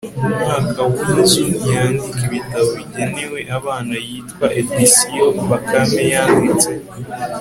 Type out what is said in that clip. mu mwaka wa inzu yandika ibitabo bigenewe abana yitwa editions bakame yanditse